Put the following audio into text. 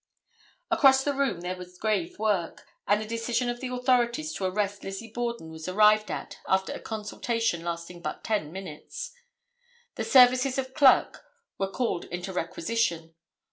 Across the room there was grave work, and the decision of the authorities to arrest Lizzie Borden was arrived at after a consultation lasting but ten minutes. The services of Clerk were called into requisition.